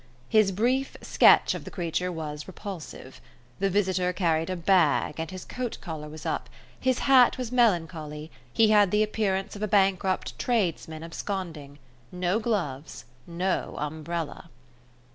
His brief sketch of the creature was repulsive. The visitor carried a bag, and his coat collar was up, his hat was melancholy; he had the appearance of a bankrupt tradesman absconding; no gloves, no umbrella.